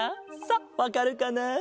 さあわかるかな？